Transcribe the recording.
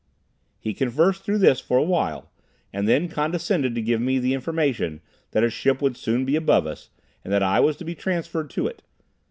He conversed through this for a while, and then condescended to give me the information that a ship would soon be above us, and that I was to be transferred to it.